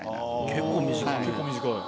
結構短い。